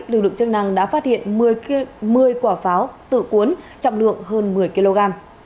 lực lượng chức năng đã phát hiện một mươi quả pháo tự cuốn trọng lượng hơn một mươi kg